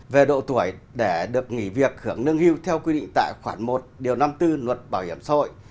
về độ tuổi để được nghỉ việc hưởng lương hưu theo quy định tại khoản một điều năm mươi bốn luật bảo hiểm xã hội